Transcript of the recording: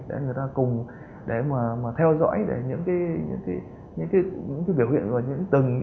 để người ta cùng theo dõi những điều hiện và những dự án